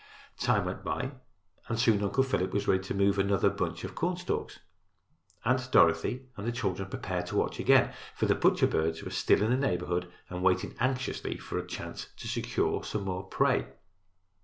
Time went by and soon Uncle Philip was ready to move another bunch of cornstalks. Aunt Dorothy and the children prepared to watch again, for the butcher birds were still in the neighborhood and waiting anxiously for a chance to secure some more prey.